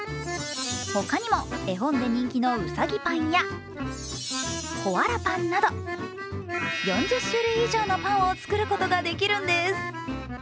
他にも絵本で人気のうさぎパンやコアラパンなど、４０種類以上のパンを作ることができるんです。